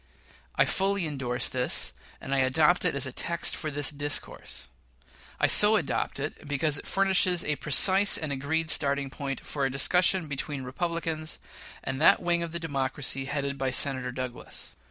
I fully indorse this, and I adopt it as a text for this discourse. I so adopt it because it furnishes a precise and an agreed starting point for a discussion between Republicans and that wing of the Democracy headed by Senator Douglas.